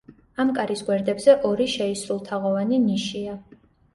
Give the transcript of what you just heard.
ამ კარის გვერდებზე ორი შეისრულთაღოვანი ნიშია.